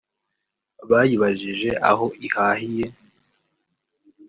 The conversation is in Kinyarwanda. bayibajije aho ihahiye